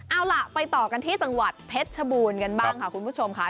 เอาล่ะไปต่อกันที่จังหวัดเพชรชบูรณ์กันบ้างค่ะคุณผู้ชมค่ะ